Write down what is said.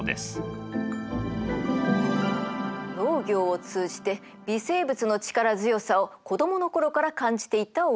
農業を通じて微生物の力強さを子供の頃から感じていた大村さん。